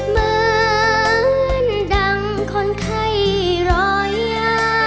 เหมือนดำคนไข่รอยา